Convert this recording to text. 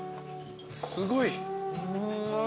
すごい。